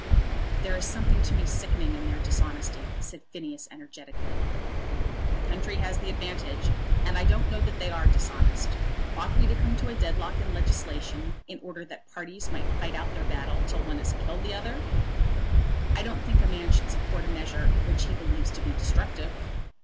"There is something to me sickening in their dishonesty," said Phineas energetically. "The country has the advantage; and I don't know that they are dishonest. Ought we to come to a deadlock in legislation in order that parties might fight out their battle till one had killed the other?" "I don't think a man should support a measure which he believes to be destructive."